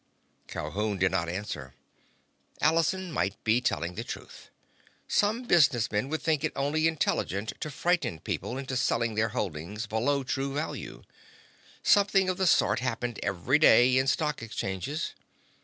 Calhoun did not answer. Allison might be telling the truth. Some businessmen would think it only intelligent to frighten people into selling their holdings below true value. Something of the sort happened every day in stock exchanges.